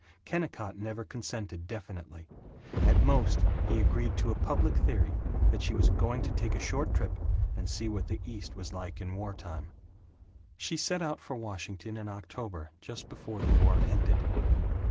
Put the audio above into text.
Kennicott never consented definitely. At most he agreed to a public theory that she was "going to take a short trip and see what the East was like in wartime." She set out for Washington in October just before the war ended.